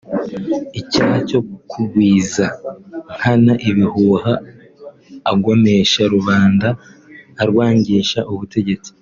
icyaha cyo gukwiza nkana ibihuha agomesha rubanda arwangisha ubutegetsi